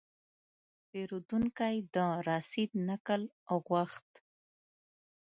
پیرودونکی د رسید نقل غوښت.